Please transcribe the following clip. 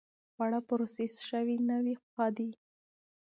خواړه پروسس شوي نه وي، ښه دي.